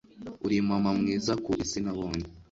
uri mama mwiza ku isi nabonye